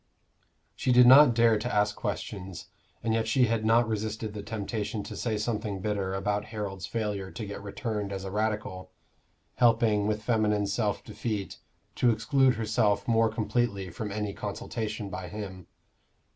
She did not dare to ask questions, and yet she had not resisted the temptation to say something bitter about Harold's failure to get returned as a Radical, helping, with feminine self defeat, to exclude herself more completely from any consultation by him.